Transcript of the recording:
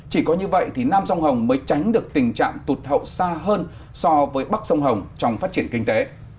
chỉ có như vậy thì nam sông hồng mới tránh được tình trạng tụt hậu xa hơn so với bắc sông hồng trong phát triển kinh tế